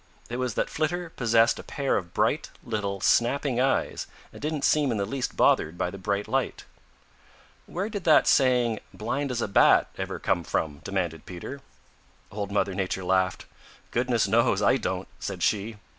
It was that Flitter possessed a pair of bright, little, snapping eyes and didn't seem in the least bothered by the bright light. "Where did that saying 'blind as a Bat' ever come from?" demanded Peter. Old Mother Nature laughed. "Goodness knows; I don't," said she.